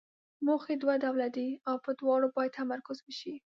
موخې دوه ډوله دي او پر دواړو باید تمرکز وشي.